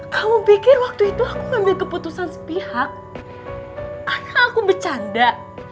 kamu pikir waktu itu aku ngambil keputusan sepihak aku bercanda